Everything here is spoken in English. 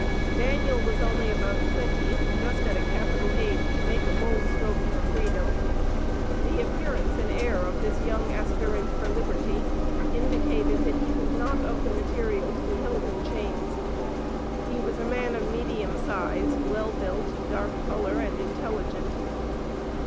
Daniel was only about twenty, just at a capital age to make a bold strike for freedom. The appearance and air of this young aspirant for liberty indicated that he was not of the material to be held in chains. He was a man of medium size, well built, dark color, and intelligent.